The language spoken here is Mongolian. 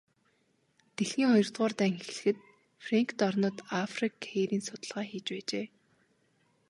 Дэлхийн хоёрдугаар дайн эхлэхэд Фрэнк дорнод Африкт хээрийн судалгаа хийж байжээ.